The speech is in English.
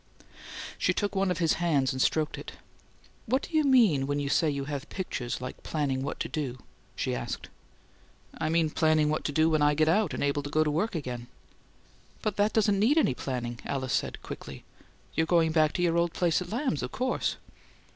She took one of his hands and stroked it. "What do you mean when you say you have pictures like 'planning what to do'?" she asked. "I mean planning what to do when I get out and able to go to work again." "But that doesn't need any planning," Alice said, quickly. "You're going back to your old place at Lamb's, of course."